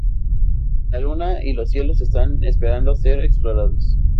La Luna y los cielos están esperando ser explorados.